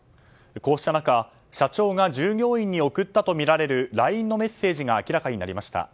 こうした中社長が従業員に送ったとみられるＬＩＮＥのメッセージが明らかになりました。